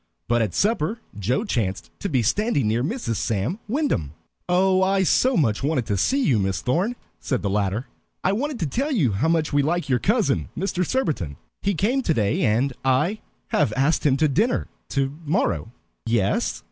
But at supper Joe chanced to be standing near Mrs. Sam Wyndham. "Oh, I so much wanted to see you, Miss Thorn," said the latter. "I wanted to tell you how much we like your cousin, Mr. Surbiton. He came today, and I have asked him to dinner to morrow." "Yes?"